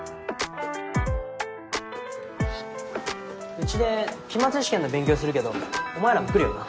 うちで期末試験の勉強するけどお前らも来るよな？